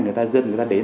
người ta dân người ta đến